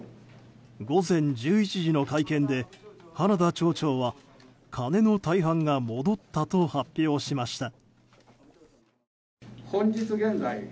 午前１１時の会見で花田町長は金の大半が戻ったと発表しました。